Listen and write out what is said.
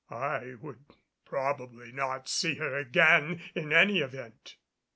I would probably not see her again in any event.